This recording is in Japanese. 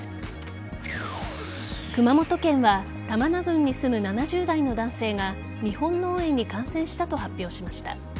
熊本県は玉名郡に住む７０代の男性が日本脳炎に感染したと発表しました。